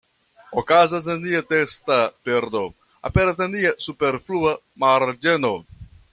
Okazas nenia teksta perdo, aperas nenia superflua marĝeno.